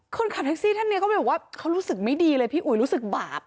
คนขับแท็กซี่ท่านนี้เขาไปบอกว่าเขารู้สึกไม่ดีเลยพี่อุ๋ยรู้สึกบาป